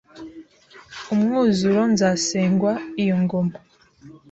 Umwuzuro nzasengwa iyo ngoma